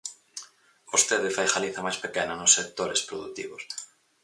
Vostede fai Galiza máis pequena nos sectores produtivos.